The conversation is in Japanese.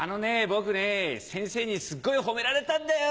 僕ね先生にすっごい褒められたんだよ。